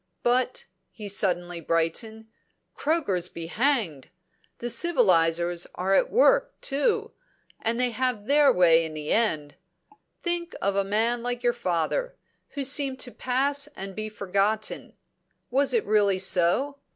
But," he suddenly brightened, "croakers be hanged! The civilisers are at work too, and they have their way in the end. Think of a man like your father, who seemed to pass and be forgotten. Was it really so?